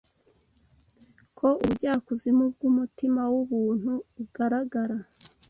Ko ubujyakuzimu bw'Umutima w'ubuntu ugaragara;